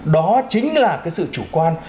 đó chính là sự chủ quan